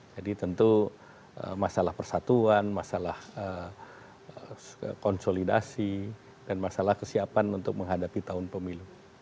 jadi tentu masalah persatuan masalah konsolidasi dan masalah kesiapan untuk menghadapi tahun pemilu